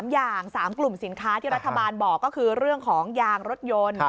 ๓อย่าง๓กลุ่มสินค้าที่รัฐบาลบอกก็คือเรื่องของยางรถยนต์